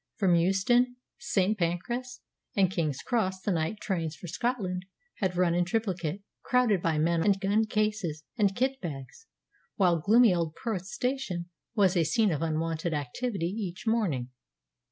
From Euston, St. Pancras, and King's Cross the night trains for Scotland had run in triplicate, crowded by men and gun cases and kit bags, while gloomy old Perth station was a scene of unwonted activity each morning.